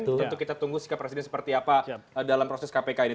tentu kita tunggu sikap presiden seperti apa dalam proses kpk ini